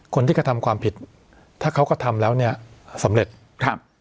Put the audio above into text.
คนที่กระทำความผิดถ้าเขากระทำแล้วเนี่ยสำเร็จครับ